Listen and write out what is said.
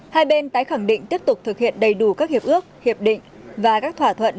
hai bên tái khẳng định tiếp tục thực hiện đầy đủ các hiệp ước hiệp định và các thỏa thuận